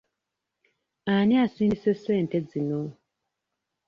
Ani asindise ssente zino?